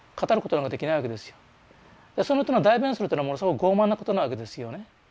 だからその人の代弁するっていうのはものすごく傲慢なことなわけですよね。